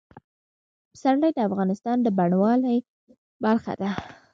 پسرلی د افغانستان د بڼوالۍ برخه ده.